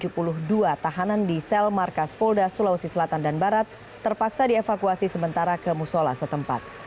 yang di sel markas polda sulawesi selatan dan barat terpaksa dievakuasi sementara ke musola setempat